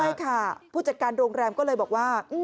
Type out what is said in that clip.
ใช่ค่ะผู้จัดการโรงแรมก็เลยบอกว่า